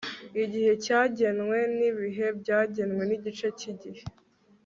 igihe cyagenwe n ibihe byagenwe n igice cy igihe